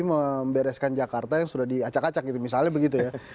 membereskan jakarta yang sudah diacak acak gitu misalnya begitu ya